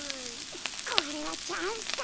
これはチャンスか？